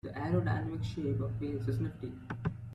The aerodynamic shape of whales is nifty.